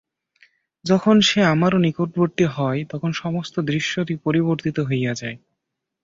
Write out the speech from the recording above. যখন সে আরও নিকটবর্তী হয়, তখন সমস্ত দৃশ্যটি পরিবর্তিত হইয়া যায়।